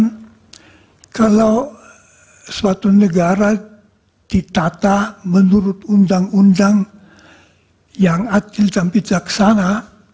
karena kalau suatu negara ditata menurut undang undang yang adil dan bijaksana